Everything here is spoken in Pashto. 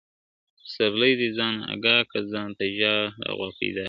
¬ پسرلى دئ ځان اگاه که، ځان ته ژړه غوا پيدا که.